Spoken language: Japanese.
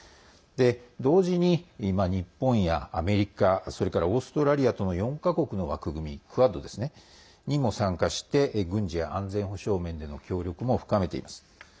同時に日本やアメリカそれからオーストラリアとの４か国の枠組みクアッドにも参加して軍事や安全保障面での協力も深めています。